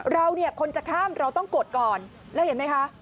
เราเนี่ยคนจะข้ามเราต้องกดก่อนแล้วเห็นไหมคะ